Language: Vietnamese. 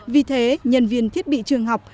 vì thế nhân viên thiết bị trường học